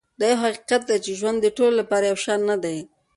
دا یو حقیقت دی چې ژوند د ټولو لپاره یو شان نه دی.